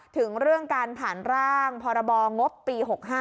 ถึงเรื่องการผ่านร่างพรบงบปี๖๕